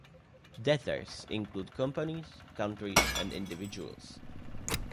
Debtors include companies, countries, and individuals.